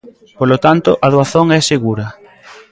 Polo tanto, a doazón é segura.